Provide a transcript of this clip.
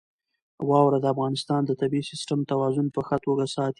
واوره د افغانستان د طبعي سیسټم توازن په ښه توګه ساتي.